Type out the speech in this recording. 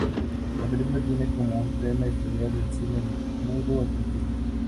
La película tiene como tema la historia del cine mudo argentino.